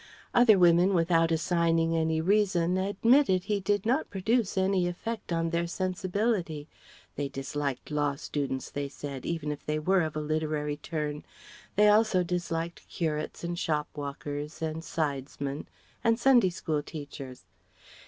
Other women without assigning any reason admitted he did not produce any effect on their sensibility they disliked law students, they said, even if they were of a literary turn; they also disliked curates and shopwalkers and sidesmen ... and Sunday school teachers.